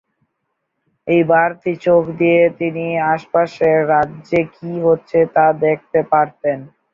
এই বাড়তি চোখ দিয়ে তিনি আশপাশের রাজ্যে কি হচ্ছে তা দেখতে পারতেন।